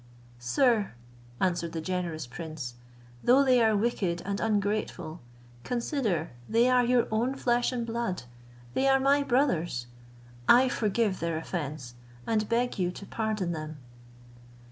"Sir," answered the generous prince, "though they are wicked and ungrateful, consider they are your own flesh and blood: they are my brothers; I forgive their offence, and beg you to pardon them."